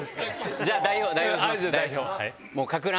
じゃあ代表します！